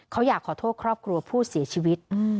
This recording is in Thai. เขาอยากขอโทษครอบครัวผู้เสียชีวิต